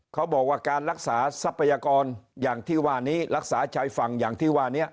เขาบอกว่าการรักษาทรัพยากรอย่างที่ว่านี้รักษาชายฝั่งอย่างที่ว่านี้